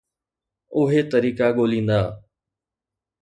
اهي طريقا ڳوليندا.